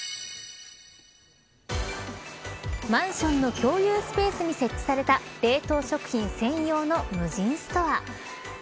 マンションの共有スペースに設置された冷凍食品専用の無人ストア。